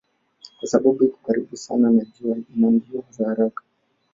Kwa sababu iko karibu sana na jua ina mbio za haraka.